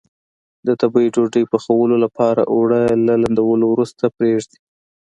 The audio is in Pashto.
د تبۍ ډوډۍ پخولو لپاره اوړه له لندولو وروسته پرېږدي.